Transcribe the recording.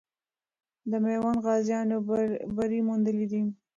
د میوند غازیانو بری موندلی دی.